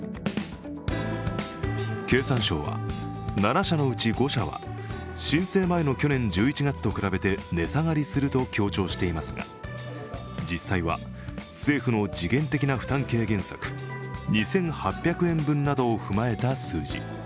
経産省は、７社のうち５社は申請前の去年１１月と比べて値下がりすると強調していますが実際は時限的な負担軽減策、２８００円分などを踏まえた数字。